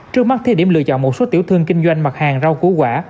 trước mắt thí điểm lựa chọn một số tiểu thương kinh doanh mặt hàng rau củ quả